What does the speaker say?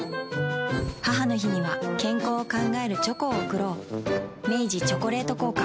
母の日には健康を考えるチョコを贈ろう明治「チョコレート効果」